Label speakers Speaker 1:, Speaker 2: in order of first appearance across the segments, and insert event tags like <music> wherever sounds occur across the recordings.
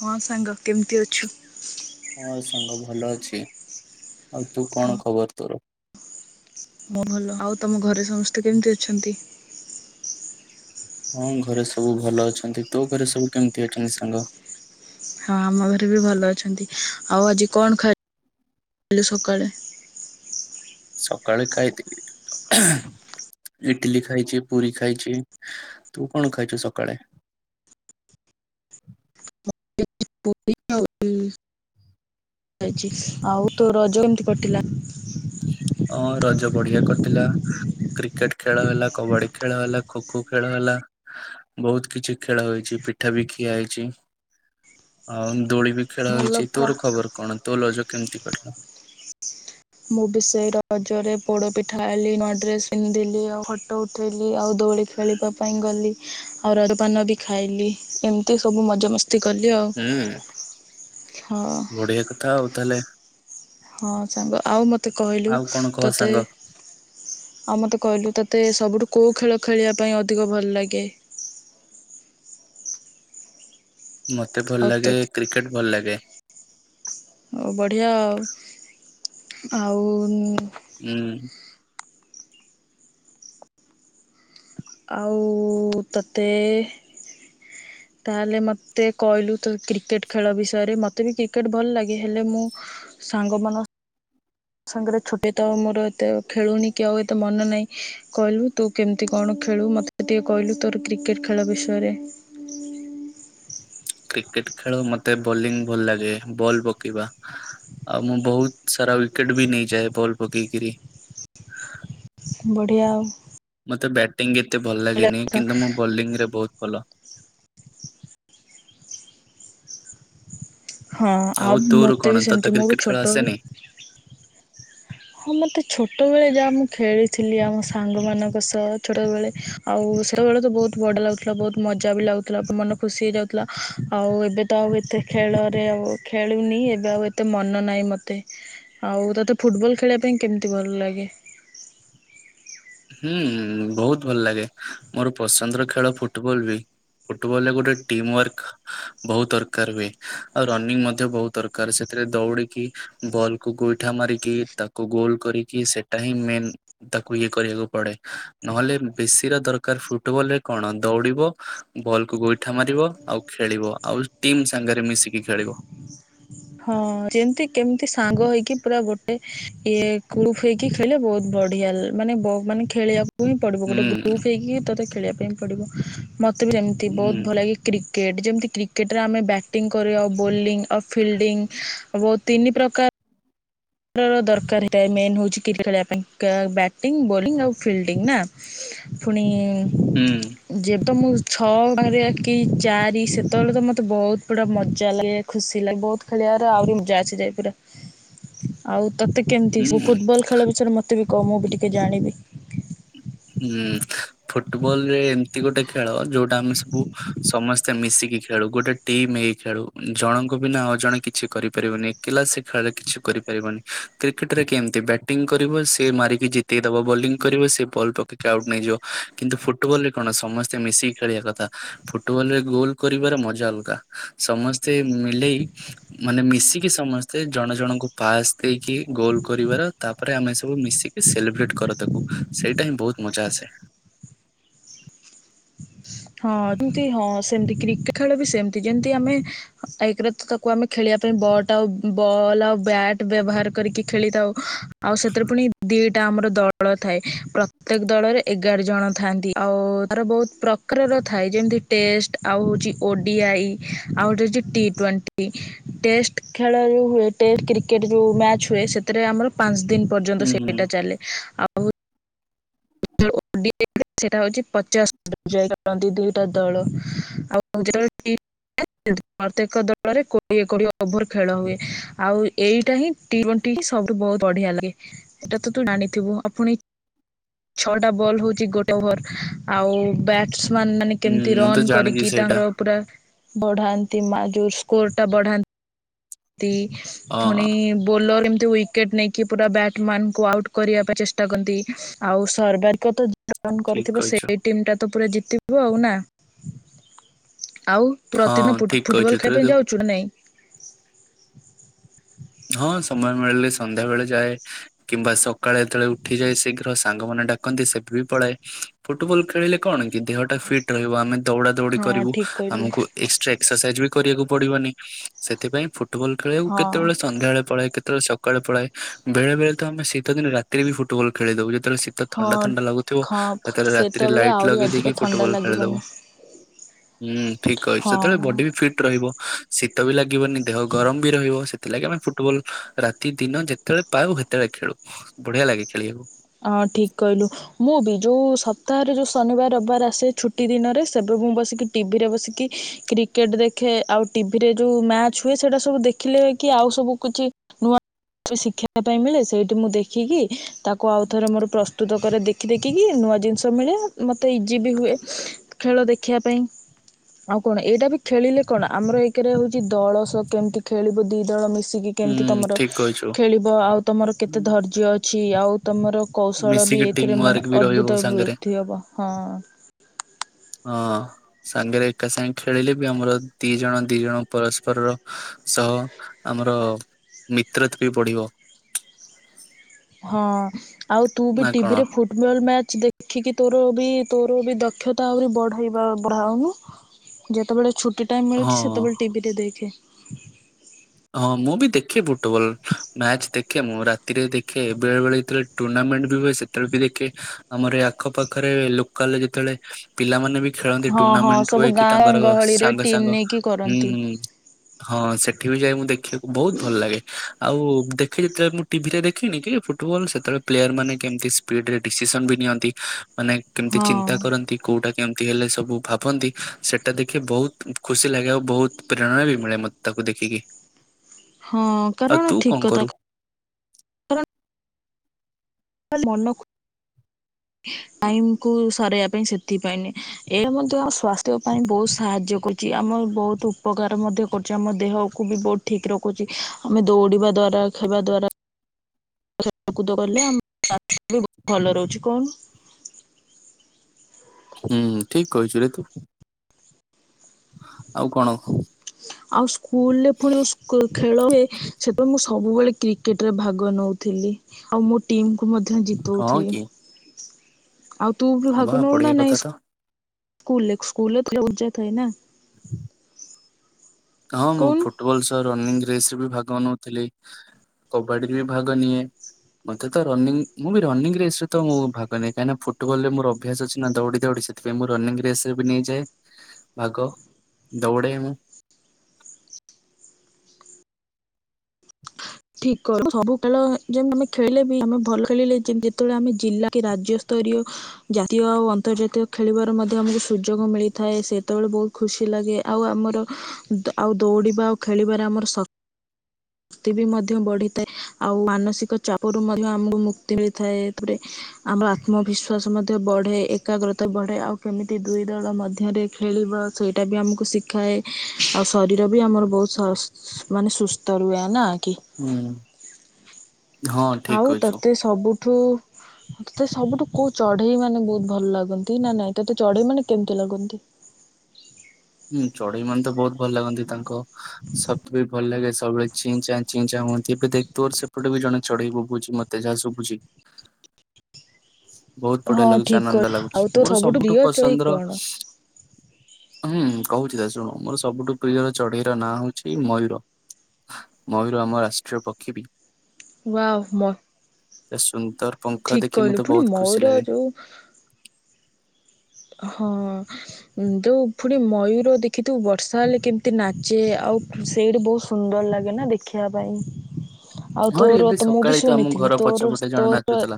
Speaker 1: ହଁ ସାଙ୍ଗ କେମିତି ଅଛୁ।
Speaker 2: ହଁ ସାଙ୍ଗ ଭଲ ଅଛି ଆଉ ତୁ
Speaker 1: ହଁ
Speaker 2: କଣ ଖବର ତୋର।
Speaker 1: ମୁଁ ଭଲ ଆଉ ତମ ଘରେ ସମସ୍ତେ କେମିତି ଅଛନ୍ତି।
Speaker 2: ହଁ ଘରେ ସବୁ ଭଲ ଅଛନ୍ତି ତୋ ଘରେ ସବୁ କେମିତି ଅଛନ୍ତି ସାଙ୍ଗ।
Speaker 1: ହଁ ଆମ ଘରେ ବି ଭଲ ଅଛନ୍ତି ଆଉ ଆଜି କଣ ଖାଇଲୁ ସକାଳେ।
Speaker 2: ସକାଳେ ଖାଇଥିଲି। ଇଟିଲି ଖାଇଛି ପୁରୀ ଖାଇଛି ତୁ କଣ ଖାଇଛୁ ସକାଳେ।
Speaker 1: ପୁରୀ ଆଉ ଇଡଲି ଖାଇଛି ଆଉ ତୁ ରଜ କେତିକି କଟିଲା।
Speaker 2: ଅଁ ରଜ ବଢିଆ କଟିଲା। କ୍ରିକେଟ ଖେଳ ହେଲା କବାଡି ଖେଳ ହେଲା ଖୋ ଖୋ ଖେଳ ହେଲା। ବହୁତ କିଛି ଖେଳ ହେଇଛି ପିଠା ବି ଖିଆ ହେଇଛି। ଆଉ ଦୋଳି ବି ଖେଳ
Speaker 1: ଭଲ
Speaker 2: ହେଇଛି
Speaker 1: କଥା
Speaker 2: ତୋର ଖବର କଣ ତୋ ରଜ କେମିତି କଟିଲା?
Speaker 1: ମୁଁ ବି ସେଇ ରଜରେ ପୋଡ ପିଠା ହେଲି ନୂଆ ଡ୍ରେସ ପିନ୍ଧିଲି ଆଉ ହ ଫଟୋ ଉଠେଇଲି ଆଉ ଦୋଳି ଖେଳିବା ପାଇଁ ଗଲି ଆଉ ରଜ ପାନ ବି ଖାଇଲି ଏମିତି ସବୁ ମଜ ମସ୍ତି। ଏମିତି କଲି ଆଉ
Speaker 2: ହୁଁ
Speaker 1: ହଁ।
Speaker 2: ଖାଉ ଆଉ ତାହେଲେ।
Speaker 1: ହଁ ସାଙ୍ଗ ଆଉ ମୋତେ କହିଲୁ
Speaker 2: ଆଉ କଣ କହ
Speaker 1: ତୋତେ
Speaker 2: ସାଙ୍ଗ?
Speaker 1: ଆଉ ମତେ କହିଲୁ ତୋତେ ସବୁଠୁ କୋଉ ଖେଳ ଖେଳିବା ପାଇଁ ଅଧିକ ଭଲ ଲାଗେ।
Speaker 2: ମତେ ଭଲ
Speaker 1: ଆଉ
Speaker 2: ଲାଗେ
Speaker 1: ତୋତେ
Speaker 2: କ୍ରିକେଟ ଭଲ ଲାଗେ।
Speaker 1: ଆଉ ବଢ଼ିଆ ଆଉ ଆଉ
Speaker 2: ଉଁ।
Speaker 1: ଆଉ ତୋତେ ତାହେଲେ ମୋତେ କହିଲୁ ତ କ୍ରିକେଟ ଖେଳ ବିଷୟରେ ମୋତେ ବି କ୍ରିକେଟ ଭଲ ଲାଗେ ହେଲେ ମୁଁ ସାଙ୍ଗ ମାନ ସାଙ୍ଗରେ ଛୁଟି ତ ମୋର ଏତେ ଖେଳୁନି କି ଆଉ ଏତେ ମନ ନାହିଁ କହିଲୁ ତୁ କେମିତି କଣ ଖେଳୁ ମତେ। ମତେ ଟିକେ କହିଲୁ ତୋର କ୍ରିକେଟ ଖେଳ ବିଷୟରେ।
Speaker 2: କ୍ରିକେଟ ଖେଳ ମତେ ବୋଲିଂ ଭଲ ଲାଗେ ବଲ୍ ପକେଇବା। ଆଉ ମୁଁ ବହୁତ ସାରା ୱିକେଟ ବି ନେଇଯାଏ ବଲ୍ ପକେଇକିରି।
Speaker 1: ବଡ଼ିିଆ ଆଉ।
Speaker 2: ମତେ ବ୍ୟାଟିଂ ଏତେ ଭଲ ଲାଗେନି କିନ୍ତୁ ମୁଁ ବୋଲିଂ ରେ ବହୁତ ଭଲ।
Speaker 1: ହଁ ଆଉ
Speaker 2: ତୋର
Speaker 1: ମତେ
Speaker 2: କଣ
Speaker 1: ବି
Speaker 2: ତତେ
Speaker 1: ସେମିତି ମୁଁ ବି
Speaker 2: କ୍ରିକେଟ ଖେଳ
Speaker 1: ଛୋଟବେଳେ
Speaker 2: ଆସେନି?
Speaker 1: ହଁ ମତେ ଛୋଟବେଳେ ଯାହା ମୁଁ ଖେଳିଥିଲି ଆମ ସାଙ୍ଗ ମାନଙ୍କ ସହ ଛୋଟବେଳେ ଆଉ ସେତେବେଳେ ତ ବହୁତ ବଢ଼ିଆ ଲାଗୁଥିଲା ବହୁତ ମଜା ବି ଲାଗୁଥିଲା ମନ ଖୁସି ହେଇଯାଉଥିଲା ଆଉ ଏବେ ତ ଆଉ ଏତେ ଖେଳରେ ଆଉ ଖେଳୁନି ଏବେ ଆଉ ଏତେ ମନ ନାହିଁ ମୋତେ। ଆଉ ତତେ ଫୁଟବଲ ଖେଳିବା ପାଇଁ କେମିତି ଭଲ ଲାଗେ।
Speaker 2: ହୁଁ ବହୁତ ଭଲ ଲାଗେ ମୋର ପସନ୍ଦର ଖେଳ ଫୁଟବଲ ବି। ଫୁଟବଲ ରେ ଗୋଟେ ଟିମ ୱାର୍କ ବହୁତ ଦରକାର ହୁଏ ଆଉ ରନିଂ ମଧ୍ୟ ବହୁତ ଦର କାର ସେତିରେ ଦୌଡିକି ବଲକୁ ଗୋଇଠା ମାରିକି ତାକୁ ଗୋଲ କରିକି ସେଟା ହିଁ ମେନ୍ ତାକୁ ଇଏ କରିବାକୁ ପଡେ ନହେଲେ ବେଶୀର ଦରକାର ଫୁଟବଲ ରେ କଣ ଦୌଡ଼ିବ ବଲ୍ କୁ ଗୋଇଠା ମାରିବ ଆଉ ଖେଳିବ ଆଉ ଟିମ ସାଙ୍ଗରେ ମିଶିକି ଖେଳିବ।
Speaker 1: ହଁ ଯେମତି କେମିତି ସାଙ୍ଗ ହେଇକି ପୁରା ଗୋଟେ ଇଏ କୁଳୁଫ ହେଇକି କି ଖେଳେ ବହୁତ ବଢିଆ ମାନେ ବ ମାନେ ଖେଳିବାକୁ କୁ ହିଁ ପଡିବ
Speaker 2: ହୁଁ
Speaker 1: ଗୋଟେ ଗ୍ରୁପ୍ ହେଇକି ତୋତେ ଖେଳବା ପାଇଁ ପଡିବ ମତେ ବି ଏମିତି
Speaker 2: ହୁଁ
Speaker 1: ବହୁତ ଭଲ ଲାଗେ କ୍ରି କେଟ୍ ଯେମିତି କ୍ରିକେଟରେ ଆମେ ବ୍ୟାଟିଂ କରେ ଆଉ ବୋଲିଙ୍ଗ ଆଉ ଫିଲ୍ଡିଙ୍ଗ ଓ ତିନି ପ୍ରକାର ର ଦରକାର ହେଇଥାଏ ମେନ୍ ହଉଛି ଖେଳିବା ପାଇଁ ବ୍ୟାଟିଂ ବୋଲିଂ ଆଉ ଫିଲ୍ଡିଂ ନା। ପୁଣି
Speaker 2: ହୁଁ।
Speaker 1: ଯେବେ ତ ମୁଁ ଛଅ ଗରେ ଆ କିି ଚାରି ସେତେବେଳେ ତ ମୋତେ ବହୁତ ବଡ ମଜା ଲାଗେ। ଖୁସି ଲାଗି ବହୁତ ଖେଳଆ ଆହୁରି ମଜା ଆସି ଯାଇ ପୁରା। ଆଉ ତତେ କେମିତି
Speaker 2: ହୁଁ।
Speaker 1: ଫୁଟବଲ ଖେଳ ବିଷୟରେ ମତେ ବି କହ ମୁଁ ବି ଟିକେ ଜାଣିବି।
Speaker 2: ହୁଁ ଫୁଟବଲ ରେ ଏ ମିତି ଗୋଟେ ଖେଳ ଯୋଉଟା ଆମେ ସବୁ ସମସ୍ତେ ମିଶିକି ଖେ ଳୁ ଗୋଟେ ଟିମ୍ ହେଇ ଖେଳୁ ଜଣଙ୍କୁ ବିନା ଆଉଜଣେ କିଛି କରିପାରିବନି ଏକଲା ସେ ଖେଳରେ କିଛି କରିପାରିବନି। କ୍ରିକେଟ ରେ କେମିତି ବ୍ୟାଟିଂ କରିବ ସେ ମାରିକି ଜିତେଇଦବ ବୋଲିଂ କରିବ ସେ ବଲ୍ ପକେଇକି ଆଉଟ୍ ନେଇଯିବ କିନ୍ତୁ ଫୁଟବଲ ରେ କଣ ସମସ୍ତେ ମିଶିକି ଖେଳିବା କଥା ଫୁଟବଲ ରେ ଗୋଲ କରିବାର ମଜା ଅଲଗା ସମସ୍ତେ ମିଲେଇ ମାନେ ମିଶିକି ସମସ୍ତେ ଜଣ ଜଣଙ୍କୁ ପାସ୍ ଦେଇକି ଗୋଲ କରିବାର ତାପରେ ଆମେ ସବୁ ମିଶିକି ସେଲେବ୍ରେଟ କର ତାକୁ ସେଇଟା ହିଁ ବହୁତ ମଜା ଆସେ।
Speaker 1: ହଁ ଯେମତି ହଁ ସେମତି କ୍ରିକେଟ ଖେଳ ବି ସେମତି ଯେମତି ଆମେ ଏକରେ ତ ତାକୁ ଆମେ ଖେଳିବା ପାଇଁ ବଟ ଆଉ ବଲ୍ ଆଉ ବ୍ୟାଟ ବ୍ୟବହାର କରିକି ଖେଳିଥାଉ। ଆଉ ସେଥିରେ ପୁଣି ଦିଟା ଆମର ଦଳ ଥାଏ ପ୍ରତ୍ୟେକ ଦଳରେ ଏଗାର ଜଣ ଥାଆନ୍ତି। ଆଉ ତାର ବହୁତ ପ୍ର କାରର ଥାଏ ଯେମିତି ଟେଷ୍ଟ ଆଉ ହୋଉଛି ଓ ଡି ଆଇ ଆଉ ଗୋଟେ ହୋଉଛି ଟି ଟ୍ୱେଣ୍ଟି। ଟି ଟେଷ୍ଟ ଖେଳ ଯୋଉ ହୁଏ ଟେଷ୍ଟ କ୍ରିକେଟ ଯୋଉ ମ୍ୟାଚ୍ ହୁଏ ସେ ରେ ଆମର ପାଞ୍ଚ ଦିନ ପର୍ଯ୍ୟନ୍ତ
Speaker 2: ହୁଁ ହୁଁ
Speaker 1: ସେଇଟା ଚାଲେ ଆ <unintelligible> <unintelligible> <unintelligible> ପ୍ରତ୍ୟେକ ଦଳରେ କୋଡିଏ କୋଡିଏ ଓଭର ଖେଳ ହୁଏ ଆଉ ଏଇଟା ହିଁ ଟି ଟ୍ବେଣ୍ଟି ହିଁ ସବୁଠୁ ବହୁତ ବଢିଆ ଲାଗେ ଏଇଟା ତ ତୁ ଜାଣିଥିବୁ ଆଉ ପୁଣି ଛଅଟା ବଲ୍ ହଉଛି ଗୋଟେ ଓଭର ଆଉ ବ୍ୟାଟ୍ ସ୍ ମ୍ୟାନ ମାନେ
Speaker 2: ହୁଁ
Speaker 1: କେମିତି
Speaker 2: ମୁଁ ତ
Speaker 1: ରନ୍
Speaker 2: ଜାଣିଛି
Speaker 1: କରିକି
Speaker 2: ସେଇଟା
Speaker 1: ତାଙ୍କର ପୁରା ବଢାନ୍ତି ମା ଯୋଉ ସ୍କୋର ଟା ବଢାନ
Speaker 2: ହଁ
Speaker 1: ପୁଣି ବୋଲ ଏମିତି ୱି କେଟ୍ ନେଇକି ପୁରା ବ୍ୟାଟମ୍ୟାନ୍ କୁ ଆଉଟ୍ କରିବା ପାଇଁ ଚେଷ୍ଟା କରନ୍ତି ଆଉ ସର୍ବାରିକ ତ ରନ୍
Speaker 2: ଠିକ
Speaker 1: କରିଥିବ
Speaker 2: କହିଛୁ
Speaker 1: ସେଇ ଟିମ୍ ଟା ତ ପୁରା ଜିତିବ ଆଉ ନା। ଆଉ
Speaker 2: ହଁ
Speaker 1: ପ୍ରତିଦିନ ଫୁଟ୍
Speaker 2: ଠିକ
Speaker 1: ଫୁଟବଲ୍
Speaker 2: କହିଛୁ ତୋର
Speaker 1: ଖେଳିବା ପାଇଁ
Speaker 2: ତୁ
Speaker 1: ଯାଉଛୁ ନା ନାଇଁ?
Speaker 2: ହଁ ସମୟ ମିଳିଲେ ସନ୍ଧ୍ୟା ବେଳେ ଯାଏ। କିମ୍ବା ସକାଳେ ଯେତେବେଳେ ଉଠିଯାଏ ଶୀଘ୍ର ସାଙ୍ଗମାନେ ଡାକନ୍ତି ସେବେ ବି ପଳାଏ। ଫୁଟବଲ୍ ଖେଳିଲେ କଣ କି ଦେହଟା ଫିଟ୍ ରହିବ। ଆମେ ଦୌଡାଦୌଡି
Speaker 1: ହଁ
Speaker 2: କରିବୁ।
Speaker 1: ଠିକ କହିଲୁ
Speaker 2: ଆମକୁ ଏକ୍ସଟ୍ରା ଏକ୍ସରସାଇଜ୍ ବି କରିବାକୁ ପଡିବନି। ସେଥିପାଇଁ ଫୁଟବଲ୍ ଖେଳିବାକୁ
Speaker 1: ହଁ
Speaker 2: କେତେବେଳେ ସନ୍ଧ୍ୟା ବେଳେ ପଳାଏ। କେତେବେଳେ ସକାଳେ ପଳାଏ। ବଳେ ତ ଆମେ ଶୀତ ଦିନ ରାତିରେ ବି ଫୁଟବଲ୍ ଖେଳିଦଉ। ଯେତେବେଳେ ଶୀ ତ ଥଣ୍ଡା
Speaker 1: ହଁ।
Speaker 2: ଥଣ୍ଡା ଲାଗୁଥିବ
Speaker 1: ହଁ
Speaker 2: ସେତେବେଳେ ରାତିରେ ଲାଇଟ୍
Speaker 1: ଆହୁରି
Speaker 2: ଲଗେଇ
Speaker 1: ଅଧିକ
Speaker 2: ଦେଇକି
Speaker 1: ଥଣ୍ଡା
Speaker 2: ଫୁଟବଲ୍
Speaker 1: ଲାଗିବନି
Speaker 2: ଖେଳିଦବୁ। ଉଁ, ଠିକ୍ କହିଛ, ସେତେବେଳେ
Speaker 1: ହଁ।
Speaker 2: ବଡି ବି ଫିଟ୍ ରହିବ ଶୀତ ବି ଲାଗିବନି, ଦେହ ଗରମ ବି ରହିବ। ସେ ଥିଲାଗି ଆମେ ଫୁଟବଲ୍ ରାତି ଦିନ ଯେତେବେଳେ ପାରୁ ସେତେବେଳେ ଖେଳୁ ବଢିଆ ଲାଗେ ଖେଳିବାକୁ।
Speaker 1: ହଁ ଠିକ୍ କହିଲୁ। ମୁଁ ବି ଯୋଉ ସପ୍ତାହରେ ଯୋଉ ଶନିବାର ରବିବାର ଆସେ ଛୁଟି ଦିନରେ ସେବେ ମୁଁ ବସିକି ଟିଭିରେ ବସିକି କ୍ରିକେଟ୍ ଦେଖେ। ଆଉ ଟିଭିରେ ଯୋଉ ମ୍ୟାଚ୍ ହୁଏ ସେଇଟା ସବୁ ଦେ ଖିଲେ କି ଆଉ ସବୁ କିଛି ନୂଆ <inaudible> ଶିଖିବା ପାଇଁ ମିଳେ। ସେଇଠି ମୁଁ ଦେଖିକି ତା କୁ ଆଉ ଥରେ ମୋର ପ୍ରସ୍ତୁତ କରେ ଦେଖି ଦେଖିକି। ନୂଆ ଜିନିଷ ମିଳେ, ମୋତେ ଇଜି ବି ହୁଏ। ଖେଳ ଦେଖିବା ପାଇଁ। ଆଉ କଣ ଏଇଟା ବି ଖେଳିଲେ କଣ ଆମର ଏକେରେ ହଉଛି ଦଳ ସଅ କେମିତି ଖେଳିବୁ ଦି ଦଳ ମିଶ ଶିକି
Speaker 2: ହୁଁ
Speaker 1: କେମିତି ତୋମର
Speaker 2: ଠିକ କହିଛୁ
Speaker 1: ଖେଳିବ ଆଉ ତୋମର କେତେ ଧୈର୍ଯ୍ୟ ଅଛି। ଆଉ ତୋମର କୌଶଳ ବି
Speaker 2: ମିଶିକି ଟିମ୍
Speaker 1: ଏଥିରେ
Speaker 2: ୱାର୍କ
Speaker 1: ମାନେ
Speaker 2: ବି ରହିବ
Speaker 1: ଅଦ୍ଭୁତ
Speaker 2: ସାଙ୍ଗରେ
Speaker 1: ବୃଦ୍ଧି ହବ ହଁ।
Speaker 2: ହଁ। ସାଙ୍ଗରେ ଏକା ସାଙ୍ଗେ ଖେଳିଲେ ବି ଆମର ଦି ଜଣ ଦି ଜଣ ପରସ୍ପରର ସହ ଆମର ମିତ୍ରତ୍ ବି ବଢ଼ିବ।
Speaker 1: ହଁ ଆଉ ତୁ ବି
Speaker 2: ନା କଣ
Speaker 1: ଟିଭିରେ ଫୁ ଟବଲ୍ ମ୍ୟାଚ୍ ଦେଖିକି ତୋର ବି ତୋର ବି ଦକ୍ଷତା ଆହୁରି ବଢ଼େଇବା ବଢ଼ାଉନୁ। ଯେତେବେଳେ ଛୁଟି ଟାଇମ୍ ମିଳୁଛି
Speaker 2: ହଁ।
Speaker 1: ସେତେବେଳେ ଟିଭିରେ ଦେଖେ।
Speaker 2: ହଁ ମୁଁ ବି ଦେଖେ ଫୁଟବଲ୍, ମ୍ୟାଚ୍ ଦେଖେ ମୁଁ ରାତିରେ ଦେଖେ, ବେଳେବେଳେ ଯେତେବେଳେ ଟୁର୍ଣ୍ଣାମେଣ୍ଟ ବି ହୁଏ ସେ ତେବେଳେ ବି ଦେଖେ, ଆମର ଏଇ ଆଖପାଖରେ ଲୋକାଲ୍ ଯେତେବେଳେ ପିଲାମାନେ ବି ଖେଳନ୍ତି,
Speaker 1: ହଁ ହଁ
Speaker 2: ଟୁର୍ଣ୍ଣାମେଣ୍ଟ
Speaker 1: ସବୁ
Speaker 2: ହୁଏ କି
Speaker 1: ଗାଁ
Speaker 2: ତାଙ୍କର
Speaker 1: ଗହଳିରେ
Speaker 2: ସାଙ୍ଗ
Speaker 1: ଟିମ୍
Speaker 2: ସାଙ୍ଗ
Speaker 1: ନେଇକି
Speaker 2: ହୁଁ,
Speaker 1: କରନ୍ତି
Speaker 2: ହୁଁ ହଁ ସେଠି ବି ଯାଏ ମୁଁ ଦେଖିବାକୁ ବହୁତ ଭଲ ଲାଗେ। ଆଉ ଦେଖେ ଯେତେବେଳେ ମୁଁ ଟିଭି ରେ ଦେଖିନି କି ଫୁଟବଲ୍ ସେତେଳେ ପ୍ଲେୟାର୍ ମାନେ କେମିତି ସି ପିଡ୍ ରେ ଡିସିସନ୍ ବି ନିଅନ୍ତି। ମାନେ କେମିତି
Speaker 1: ହଁ
Speaker 2: ଚିନ୍ତା କରନ୍ତି, କୋଉଟା କେମିତି ହେଲେ ସବୁ ଭାବନ୍ତି। ସେଟା ଦେଖେ ବହୁତ ଉଁ, ଖୁସି ଲାଗେ ଆଉ ବହୁତ ପ୍ରେରଣା ବି ମିଳେ ମୋତ ତାକୁ ଦେଖିକି।
Speaker 1: ହଁ
Speaker 2: ଆଉ
Speaker 1: କାରଣ
Speaker 2: ତୁ କଣ
Speaker 1: ଠିକ
Speaker 2: କରୁ?
Speaker 1: କଥା କାରଣ ମନ କୁ ଟାଇମ୍ କୁ ସରାଇବା ପାଇଁ ସେଥିପାଇଁ ନୁହେଁ। ଏହା ମଧ୍ୟ ଆମ ସ୍ୱାସ୍ଥ୍ୟ ପାଇଁ ବହୁତ ସାହାଯ୍ୟ କରୁଚି। ଆମର ବହୁତ ଉପକାର ମଧ୍ୟ କରୁଛି। ଆମ ଦେହକୁ ବି ବଟ୍ ଠିକ ରଖୁଛି। ଆମେ ଦୌଡିବା ଦ୍ଵାରା, ଖାଇବା ଦ୍ଵାରା ଖେଳକୁଦ କଲେ ଆମ <inaudible> ବି ଭଲ ରହୁଛି କହୁନୁ।
Speaker 2: ହୁଁ, ଠିକ କହିଛୁ ରେ ତୁ। ଆଉ କଣ <inaudible>
Speaker 1: ଆଉ ସ୍କୁଲ୍ ରେ ପୁଣି ସ୍କୁ ଖେଳ ହୁଏ ସେବେ ମୁଁ ସବୁବେଳେ କ୍ରିକେଟ୍ ରେ ଭାଗ ନଉଥିଲି। ଆଉ ମୁଁ ଟିମ୍ କୁୁ ମଧ୍ୟ
Speaker 2: ହଁ
Speaker 1: ଜିତଉଥିଲି।
Speaker 2: କି
Speaker 1: ଆଉ ତୁ ବି
Speaker 2: ବା
Speaker 1: ଭାଗ ନଉ
Speaker 2: ବଢିଆ
Speaker 1: ନା
Speaker 2: କଥା
Speaker 1: ନାଇଁ
Speaker 2: ତ।
Speaker 1: କୁଲ୍ ରେ ସ୍କୁଲ୍ ରେ <inaudible> ଉର୍ଜା ଥାଏ ନା।
Speaker 2: <inaudible> ହଁ ମୁଁ
Speaker 1: କହୁନୁ
Speaker 2: ଫୁଟବଲ୍ ସହ ରନିଙ୍ଗ ରେସ୍ ରେ ବି ଭାଗ ନଉଥିଲି। କବାଡିରେ ବି ଭାଗ ନିଏ। ମୋତେ ତ ରନିଂ ମୁଁ ବି ରନିଂ ରେସ୍ ରେ ତ ମୁଁ ଭାଗ ନିଏ। କାହିଁକିନା ଫୁଟବଲ୍ ରେ ମୋର ଅଭ୍ୟାସ ଅଛିନା ଦୌଡ଼ି ଦୌଡ଼ି ସେ ସେ ମୁଁ ରନିଙ୍ଗ ରେସ୍ ରେ ବି ନେଇଯାଏ ଭାଗ। ଦୌଡେ ମୁଁ।
Speaker 1: ଠିକ କର <inaudible> ସବୁ ଖେଳ ହେ ଯେ ଆମେ ଖେଳିଲେ ବି ଆମେ ଭଲ ଖେଳିଲେ ଯେନ୍ ଯେତେବେଳେ ଆମେ ଜିଲ୍ଲା କି ରାଜ୍ୟସ୍ତରୀୟ ଜାତୀୟ ଆଉ ଅନ୍ତର୍ଜାତୀୟ ଖେଳିବାର ମଧ୍ୟ ଆମକୁ ସୁଯୋଗ ମିଳିଥାଏ। ସେତେବେଳେ ବହୁତ ଖୁସି ଲାଗେ ଆଉ ଆମର ଦ-ଆଉ ଦୌଡ଼ିବା ଖେଳିବାରେ ଆମର ଶ ଶକ୍ତି ବି ମଧ୍ୟ ମଧ୍ୟ ବଢିଥାଏ ଆଉ ମାନସିକ ଚାପରୁ ମଧ୍ୟ ଆମକୁ ମୁକ୍ତି ମିଳିଥାଏ ଏଥିରେ। ଆମର ଆତ୍ମବିଶ୍ଵାସ ମଧ୍ୟ ବଢେ ଏକାଗ୍ରତା ବଢେ ଆଉ କେମିତି ଦୁଇ ଦଳ ମଧ୍ୟରେ ଖେଳିବା ସେଇଟା ବି ଆମକୁ ଶିଖାଏ ଆଉ ଶରୀର ବି ଆମର ବହୁତ ସ ମାନେ ସୁସ୍ଥ ରୁହେ ନା କି।
Speaker 2: ହୁଁ। ହଁ ଠିକ
Speaker 1: ଆଉ
Speaker 2: କହିଛୁ।
Speaker 1: ତତେ ସବୁଠୁ ତତେ ସବୁଠୁ କୋଉ ଚଢେଇମାନେ ବହୁତ ଭଲ ଲାଗନ୍ତି ନା ନାଇଁ ତୋତେ ଚଢେଇମାନେ କେମିତି ଲାଗନ୍ତି?
Speaker 2: ହୁଁ ଚଢେଇମାନେ ତ ବହୁତ ଭଲ ଲାଗନ୍ତି ତାଙ୍କ ଶବ୍ଦ ବି ଭଲ ଲାଗେ ସବୁବେଳେ। ଚିଙ୍ଗ ଚାଙ୍ଗ ଚିଙ୍ଗ ଚାଙ୍ଗ ହୁଅନ୍ତି ଏବେ ଦେଖ ତୋର ସେପଟ ବି ଜଣେ ଚଢେଇ ବୋବୋଉଚି ମତେ ଯାହା ଶୁଭୁଛି। ବହୁତ ବଢିଆ
Speaker 1: ହଁ
Speaker 2: ଲାଗୁଛି
Speaker 1: ଠିକ କ
Speaker 2: ଆନନ୍ଦ ଲାଗୁଛି
Speaker 1: ଆଉ
Speaker 2: ମୋର
Speaker 1: ତୋର ସବୁଠୁ ପ୍ରିୟ ଚଢ଼େଇ
Speaker 2: ପସନ୍ଦର
Speaker 1: କଣ?
Speaker 2: ହୁଁ କହୁଛି ତ ଶୁଣ ମୋର ସବୁଠୁ ପ୍ରିୟର ଚଢେଇର ନାଁ ହଉଛି ମୟୂର। ମୟୂର ଆମ ରାଷ୍ଟ୍ରୀୟ ପକ୍ଷୀ ବି।
Speaker 1: ୱାଓ ମ
Speaker 2: ତା ସୁନ୍ଦର ପଙ୍ଖ ଦେଖି ମତେ ବହୁତ ଖୁସି ଲାଗେ।
Speaker 1: ଓହ। ହଁ। ଯୋଉ ପୁଣି ମୟୂର ଦେଖିଥିବୁ ବର୍ଷା ହେଲେ କେମିତି ନାଚେ ଆଉ ସେଇଟି ବହୁତ ସୁନ୍ଦର ଲାଗେ ନା ଦେଖିବା ପାଇଁ। ଆଉ
Speaker 2: ହଁରେ
Speaker 1: ତୋର
Speaker 2: ଏବେ
Speaker 1: ତ ମୁଁ
Speaker 2: ସକାଳେ
Speaker 1: ବି
Speaker 2: ଆମ ଘର
Speaker 1: ଶୁଣିଥିଲି ତୋର
Speaker 2: ପଛପଟେ ଜଣେ
Speaker 1: ତୋର ତ
Speaker 2: ନାଚୁଥିଲା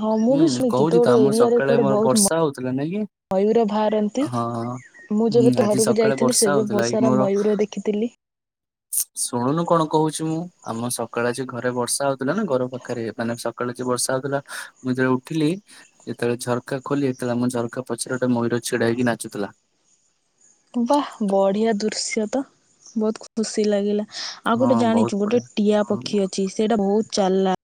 Speaker 1: ହଁ ମୁଁ
Speaker 2: ହୁଁ
Speaker 1: ବି ଶୁଣିଛି ତୋ
Speaker 2: କହୁଛି ତ
Speaker 1: ଗୋଟେ
Speaker 2: ଆମ
Speaker 1: ଏରିଆରେ
Speaker 2: ସକାଳେ
Speaker 1: କୁଆଡେ
Speaker 2: ମୋର
Speaker 1: ବହୁତ
Speaker 2: ବର୍ଷା
Speaker 1: ମୟୂର ଭାରନ୍ତି?
Speaker 2: ହଁଁ।
Speaker 1: ମୁଁ ଯେବେ ତୋ ଘରକୁ ଯାଇଥିଲି ସେବେ ବହୁତ ସାରା
Speaker 2: ମୋର
Speaker 1: ମୟୂର ଦେଖିଥିଲି।
Speaker 2: ଶୁଣୁନୁ କଣ କହୁଛି ମୁଁ ଆମ ସକାଳେ ଯ ଘରେ ବର୍ଷା ହଉଥିଲା ନା ଘର ପାଖରେ ମାନେ ସକ୍ କାଳେ ଯୋଉ ବର୍ଷା ହଉଥିଲା। ମୁଁ ଯେତେବେଳେ ଉଠିଲି ଯେତେବେଳେ ଝରକା ଖୋଲିଲି ଯେତେବେଳେ ଆମ ଝରକା ପଛରେ ଗୋଟେ ମୟୂର ଛିଡା ହେଇକି ନାଚୁଥିଲା।
Speaker 1: ବା ବଢିଆ ଦୃଶ୍ୟ ତ ବହୁତ ଖୁସି ଲାଗିଲା। ଆଉ
Speaker 2: ହଁ
Speaker 1: ଗୋଟେ
Speaker 2: ବହୁତ
Speaker 1: ଜାଣିଛୁ ଗୋଟେ
Speaker 2: ବଢିଆ
Speaker 1: ଟିଆ
Speaker 2: ହୁଁ,
Speaker 1: ପକ୍ଷୀ ଅଛି ସେଇଟା ବହୁତ ଚାଲା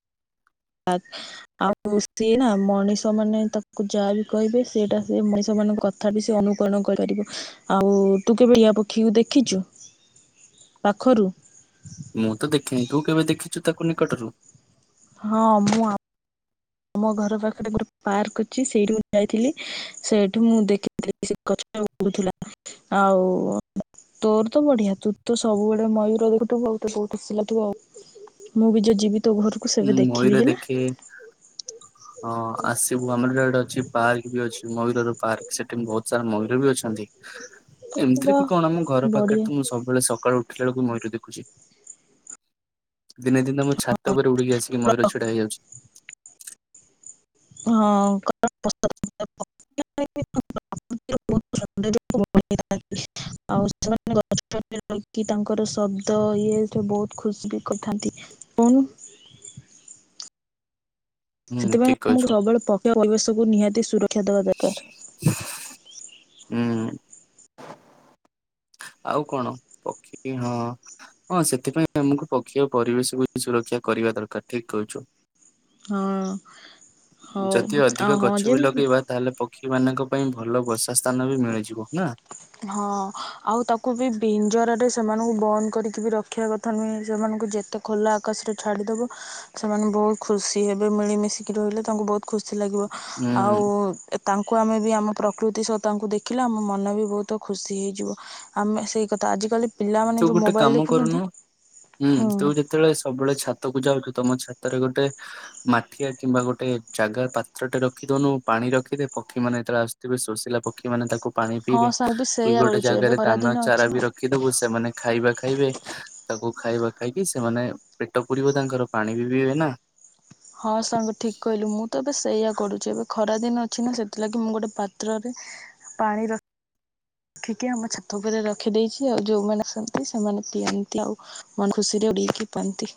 Speaker 1: ଲାଖ। ଆଉ ଉ ସିଏ ନା ମଣିଷ ମାନେ ତାକୁ ଯାହା ବି କହିବେ ସେଟା ସେ ମଣିଷ ମାନଙ୍କ କ କଥାପି ସେ ଅନୁକରଣ କରିପାରିବ ଆଉ ତୁ କେବେ ଟିଆ ପକ୍ଷୀକୁ ଦେଖିଛୁ? ପାଖରୁ?
Speaker 2: ମୁଁ ତ ଦେଖେିନି ତୁ କେବେ ଦେଖିଛୁ ତାକୁ ନିକଟରୁ?
Speaker 1: ହଁ ମୁଁ ଆ ଆମ ଘର ପାଖରେ ଗୋଟେ ପାର୍କ ଅଛି ସେଇଠି ମୁଁ ଯାଇଥିଲି ସେଇଠି ମୁଁ ଦେଖି ସେ ଗଛରେ ଉଡୁଥିଲା ଆଉ ତୋର ତ ବଢିଆ ତୁ ତ ସବୁବେଳେ ମୟୂର ଦେଖୁଥିବୁ ତତେ ତ ଖୁସି ଲାଗିବ ଆଉ। ମୁଁ ବି ଯୋଉ ଯିବି ତୋ ଘରକୁ
Speaker 2: ଉଁ
Speaker 1: ସେବେ
Speaker 2: ମୟୂର
Speaker 1: ଦେଖିବି ହେଲା।
Speaker 2: ଦେଖେ ହଁ ଆସିବୁ ଆମର ଏ ଇଆଡେ ଗୋଟେ ଅଛି ପାର୍କ ବି ଅଛି ମୟୂରର ପାର୍କ। ସେଠି ବହୁତ ସାରା ମୟୂର ବି ଅଛନ୍ତି
Speaker 1: ବା
Speaker 2: ଏମିତିରେ ବି କଣ ଆମ ଘର ପାଖରେ
Speaker 1: ବଢିଆ
Speaker 2: ତ ମୁଁ ଶୁଣୁ ସବୁବେଳେ ସକାଳୁ ଉଠିଲା ବେଳକୁ ମୟୁରୁ ଦେଖୁଛି। ଦିନେ ଦିନ ଆମ ଛାତ ଉପରେ ଉଡିକି ଆସିକ ମୟୂର ଛିଡା ହେଇଯାଉଛି।
Speaker 1: ହଁ <unintelligible> <unintelligible> ଆଉ ସେମାନେ ଗଛ ରହିକି ତାଙ୍କର ଶବ୍ଦ ଇଏ ସବୁ ବହୁତ ଖୁସି ବି କରିଥାନ୍ତି କହୁନୁ।
Speaker 2: ହୁଁ
Speaker 1: ସେଥିପାଇଁ
Speaker 2: ଠିକ
Speaker 1: ଆମକୁ
Speaker 2: କହିଛୁ
Speaker 1: ସବୁବେଳେ ପକ୍ଷୀ ପରିବେଶକୁ ନିହାତି ସୁରକ୍
Speaker 2: ହୁଁ। ଆଉ କଣ ପକ୍ଷୀ ହଁ। ହଁ ସେଥିପାଇଁ ଆମକୁ ପକ୍ଷୀ ଆ ପରିବେଶକୁ ସୁରକ୍ଷା କରିବା ଦରକାର ଠିକ କହିଛୁ।
Speaker 1: ହଁ। ହଉ
Speaker 2: ଯଦି
Speaker 1: ଆଉ
Speaker 2: ଅଧିକ
Speaker 1: ହଁ
Speaker 2: ଗଛ ବି
Speaker 1: ଯେ
Speaker 2: ଲଗେଇବା ତାହେଲେ ପକ୍ଷୀ ମାନଙ୍କ ପାଇଁ ଭଲ ବର୍ଷା ସ୍ଥାନ ବି ମିଳିଯିବ ନା?
Speaker 1: ହଁ ଆଉ ତାକୁ ବି ଭିଞ୍ଜର ରେ ସେମାନଙ୍କୁ ବନ୍ଦ କରିକି ବି ରଖିବା କଥା। ତଥମୁ ସେମାନଙ୍କୁ ଯେତେ ଖୋଲା ଆକାଶରେ ଛାଡ଼ିଦେବ ସେମାନେ ବହୁତ ଖୁସି ଏବେ ମିଳିମିଶିକି ରହିଲେ ତାଙ୍କୁ ବହୁତ ଖୁସି ଲାଗିବ
Speaker 2: ହୁଁ
Speaker 1: ଆଉ ତାଙ୍କୁ ଆମେ ବି ଆମ ପ୍ରକୃତି ସହ ତାଙ୍କୁ ଦେଖିଲା ଆମ ମନ ବି ବହୁତ ତ ଖୁସି ହେଇଯିବ ଆମେ ସେଇ କଥା ଆଜିକାଲି ପିଲାମାନେ
Speaker 2: ତୁ
Speaker 1: ଯେଉଁ
Speaker 2: ଗୋଟେ
Speaker 1: ମୋବାଇଲ
Speaker 2: କାମ
Speaker 1: ଦେଖୁଛନ୍ତି
Speaker 2: କରୁନୁ ହୁଁ ତୁ ଯେ ଯେତେବେଳେ ସବୁବେଳେ ଛାତକୁ ଯାଉଛୁ ତମ ଛାତରେ ଗୋଟେ ମାଠିଆ କିମ୍ବା ଗୋଟେ ଜାଗା ପାତ୍ରଟେ ରଖିଦଉନୁ ପାଣି ରଖିଦେ ପକ୍ଷୀ ମାନ ଯେତେବେଳେ ଆସୁଥିବେ ସୋଷିଲା ପକ୍ଷୀ କି ମାନେ ତାକୁ ପାଣି
Speaker 1: ହଁ
Speaker 2: ପିଇବେ
Speaker 1: ସାଙ୍ଗ ବି
Speaker 2: କି
Speaker 1: ସେଇଆ
Speaker 2: ଗୋଟେ
Speaker 1: କରୁଛି ଏବେ
Speaker 2: ଜାଗାରେ ଦାନ
Speaker 1: ଖରାଦିନ
Speaker 2: ଚାରା
Speaker 1: ଅଛି ନା
Speaker 2: ବି ରଖିଦବୁ ସେମାନେ ଖାଇବା ଖାଇବେ। ତାକୁ ଖାଇବା ଖାଇକି ସେମାନେ ପେଟ ପୁୁରିବ ତାଙ୍କର ପାଣି ବି ପିଇବେ ନା।
Speaker 1: ହଁ ସାଙ୍ଗ ଠିକ କହିଲୁ ମୁଁ ତ ଏବେ ସେଇଆ କରୁଛି ଏବେ ଖରାଦିନ ଅଛି ନା ସେଥିଲାଗି ମୁଁ ଗୋଟେ ପାତ୍ରରେ ପାଣି ର ରଖିକି ଆମ ଛାତ ଉପରେ ରଖିଦେଇଛି ଆଉ ଯୋଉମାନେ ଆସନ୍ତି ସେମାନେ ପିଅନ୍ତି ଆଉ। ମନ ଖୁସିରେ ଉଡକି ପାଆନ୍ତି।